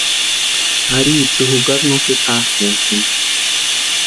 Ari itsï jukari no sési jákʼuntisïni.